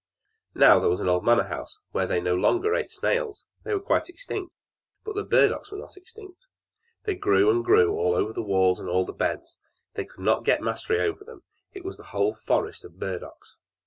Now, there was an old manor house, where they no longer ate snails, they were quite extinct; but the burdocks were not extinct, they grew and grew all over the walks and all the beds; they could not get the mastery over them it was a whole forest of burdocks.